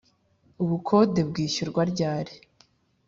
Ubukode bwishyurwa ryari